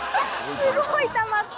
すごいたまった！